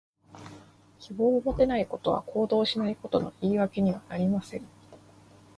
希望を持てないことは、行動しないことの言い訳にはなりません。